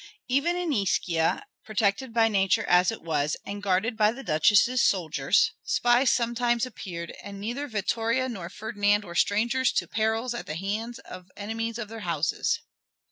Even in Ischia, protected by nature as it was and guarded by the Duchess' soldiers, spies sometimes appeared, and neither Vittoria nor Ferdinand were strangers to perils at the hands of enemies of their houses.